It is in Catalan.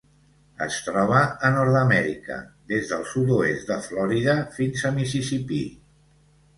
Es troba a Nord-amèrica: des del sud-oest de Florida fins a Mississipí.